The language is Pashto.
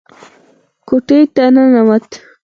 کوټې ته ننوت.